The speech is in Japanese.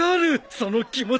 その気持ち！